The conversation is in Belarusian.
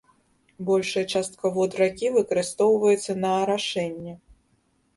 Большая частка вод ракі выкарыстоўваецца на арашэнне.